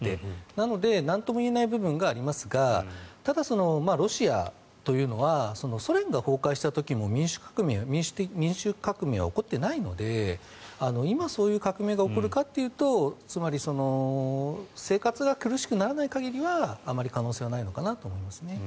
なので、なんとも言えない部分がありますがただ、ロシアというのはソ連が崩壊した時も民主革命は起こってないので今、そういう革命が起こるかというとつまり、生活が苦しくならない限りはあまり可能性はないのかなと思います。